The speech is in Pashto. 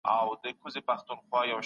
دوی د ازاد فکر خاوندان وو.